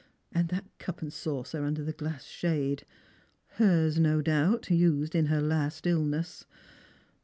And that cup and saucer under the glass shade ! Hers, no doubt, used in her last illness.